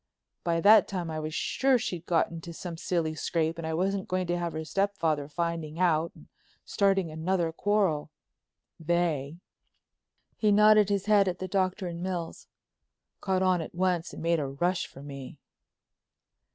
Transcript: By that time I was sure she'd got into some silly scrape and I wasn't going to have her stepfather finding out and starting another quarrel. They," he nodded his head at the Doctor and Mills, "caught on at once and made a rush for me.